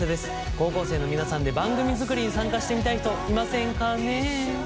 高校生の皆さんで番組作りに参加してみたい人いませんかね？